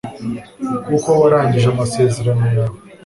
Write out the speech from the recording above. kuko warangije amasezerano yawe